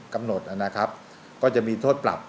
กำหนดนะครับก็จะมีโทษปรับ